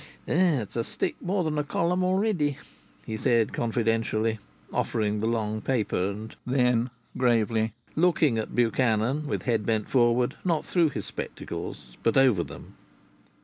"It's a stick more than a column already," said he confidentially, offering the long paper, and then gravely looking at Buchanan, with head bent forward, not through his spectacles but over them.